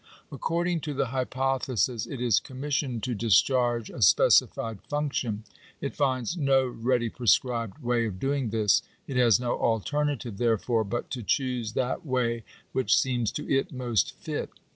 According to the hypothesis it is commissioned to discharge a specified function. It finds no ready prescribed way of doing this. It has no alternative, therefore, but to choose that way which seems to it most fit.